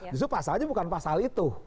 justru pasal aja bukan pasal itu